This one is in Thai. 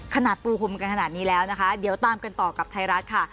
ปูห่มกันขนาดนี้แล้วนะคะเดี๋ยวตามกันต่อกับไทยรัฐค่ะ